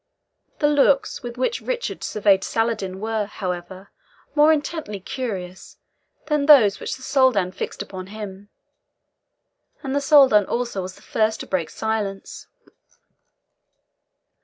The looks with which Richard surveyed Saladin were, however, more intently curious than those which the Soldan fixed upon him; and the Soldan also was the first to break silence.